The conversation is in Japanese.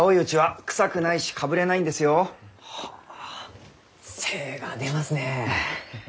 あ精が出ますね。